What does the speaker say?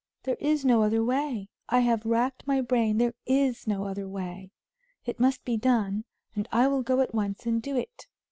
There is no other way; I have racked my brain there is no other way. It must be done, and I will go at once and do it."